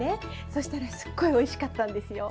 そしたらすっごいおいしかったんですよ。